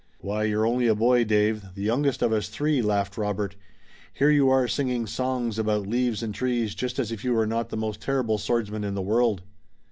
"Why, you're only a boy, Dave, the youngest of us three," laughed Robert. "Here you are singing songs about leaves and trees just as if you were not the most terrible swordsman in the world."